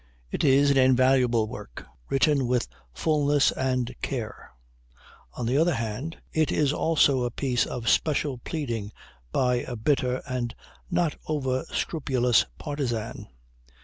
It is an invaluable work, written with fulness and care; on the other hand it is also a piece of special pleading by a bitter and not over scrupulous partisan.